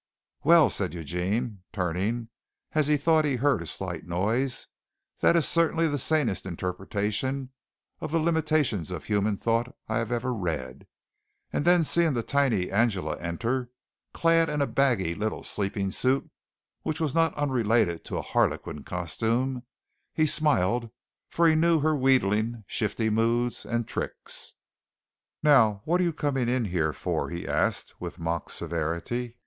"Well," said Eugene, turning as he thought he heard a slight noise, "that is certainly the sanest interpretation of the limitations of human thought I have ever read" and then seeing the tiny Angela enter, clad in a baggy little sleeping suit which was not unrelated to a Harlequin costume, he smiled, for he knew her wheedling, shifty moods and tricks. "Now what are you coming in here for?" he asked, with mock severity.